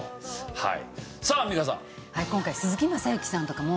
はい。